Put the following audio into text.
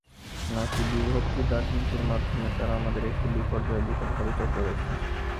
নাকি বিভক্তির রাজনীতির মাধ্যমে তাঁরা আমাদের একটি বিপর্যয়ের দিকে ধাবিত করেছেন?